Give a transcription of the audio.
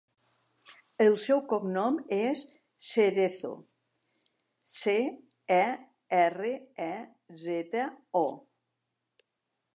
El seu cognom és Cerezo: ce, e, erra, e, zeta, o.